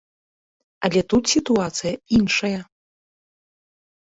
Але тут сітуацыя іншая.